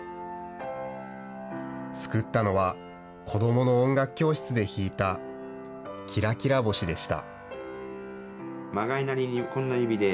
救ったのは、子どもの音楽教室で弾いたきらきら星でした。